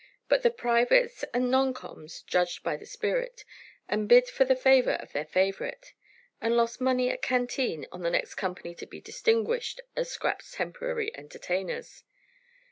But the privates and "non coms" judged by the spirit, and bid for the favor of their favorite, and lost money at canteen on the next company to be distinguished as Scrap's temporary entertainers.